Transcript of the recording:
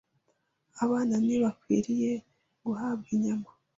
Abana ntibakwiriye guhabwa inyama